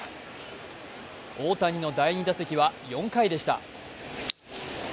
大谷の第２打席は４回でした。